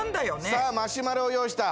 さあマシュマロを用意した。